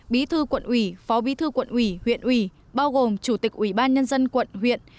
bí thư quận ủy phó bí thư quận ủy huyện ủy bao gồm chủ tịch ủy ban nhân dân quận huyện